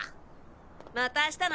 また明日な。